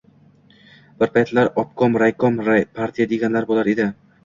Bir paytlar “obkom”, “raykom” partiya deganlari bo‘lar edi